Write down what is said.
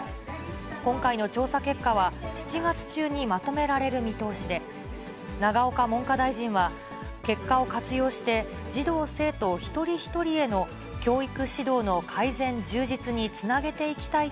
今回の調査結果は、７月中にまとめられる見通しで、永岡文科大臣は、結果を活用して、児童・生徒一人一人への教育指導の改善・充実につなげていきたい